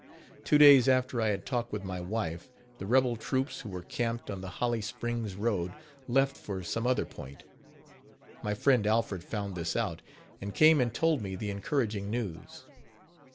Two days after I had talked with my wife, the rebel troops who were camped on the Holly Springs road left for some other point. My friend Alfred found this out, and came and told me the encouraging news.